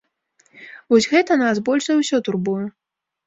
Вось гэта нас больш за ўсё турбуе.